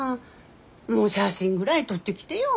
もう写真ぐらい撮ってきてよ。